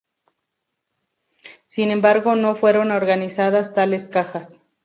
Sin embargo no fueron organizadas tales cajas.